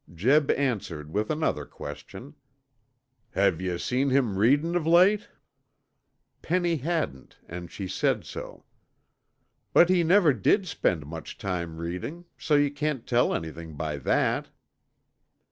Jeb answered with another question. "Have yuh seen him readin' of late?" Penny hadn't and she said so. "But he never did spend much time reading, so you can't tell anything by that."